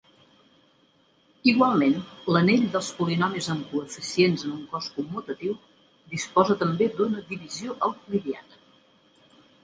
Igualment, l'anell dels polinomis amb coeficients en un cos commutatiu, disposa també d'una divisió euclidiana.